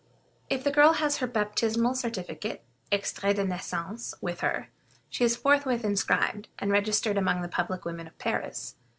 If the girl has her baptismal certificate (extrait de naissance) with her, she is forthwith inscribed, and registered among the public women of Paris.